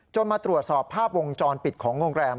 มาตรวจสอบภาพวงจรปิดของโรงแรม